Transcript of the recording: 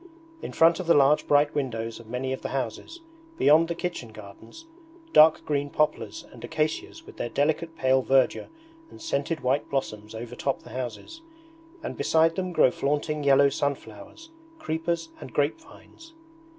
In front of the large bright windows of many of the houses, beyond the kitchen gardens, dark green poplars and acacias with their delicate pale verdure and scented white blossoms overtop the houses, and beside them grow flaunting yellow sunflowers, creepers, and grape vines.